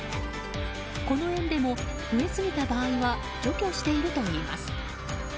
この園でも増えすぎた場合は除去しているといいます。